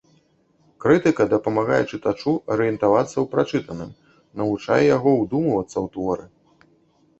Крытыка дапамагае чытачу арыентавацца ў прачытаным, навучае яго ўдумвацца ў творы.